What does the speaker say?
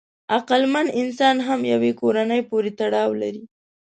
عقلمن انسان هم یوې کورنۍ پورې تړاو لري.